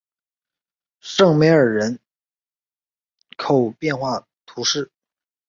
圣梅尔人口变化图示